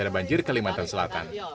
mencari banjir kelimatan selatan